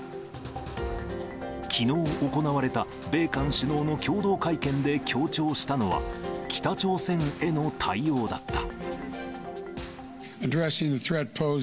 きのう行われた米韓首脳の共同会見で強調したのは、北朝鮮への対応だった。